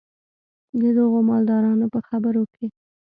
د دغو مالدارانو په خبرو کې.